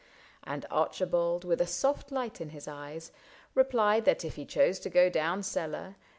" And Archibald, with a soft light in his eyes. Replied that if he chose to go down cellar.